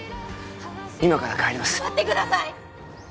今から帰ります待ってください！